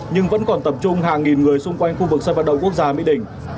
nhưng vẫn còn tập trung hàng nghìn người xung quanh khu vực sân vận động quốc gia mỹ đình